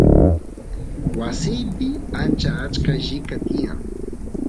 wasiypi ancha achka llika tiyan